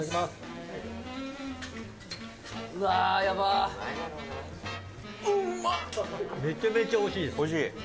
横尾：めちゃめちゃおいしい。